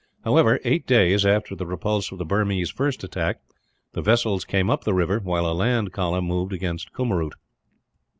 However, eight days after the repulse of the Burmese first attack, the vessels came up the river, while a land column moved against Kummeroot.